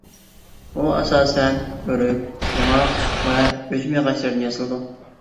ئۇ ئاساسەن ئۆرۈك، ياڭاق ۋە ئۈجمە ياغاچلىرىدىن ياسىلىدۇ.